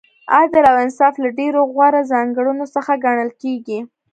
عدل او انصاف له ډېرو غوره ځانګړنو څخه ګڼل کیږي.